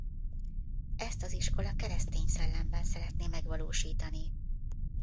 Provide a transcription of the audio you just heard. Ezt az iskola keresztény szellemben szeretné megvalósítani.